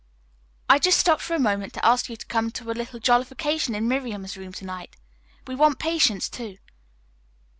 "I just stopped for a moment to ask you to come to a little jollification in Miriam's room to night. We want Patience, too."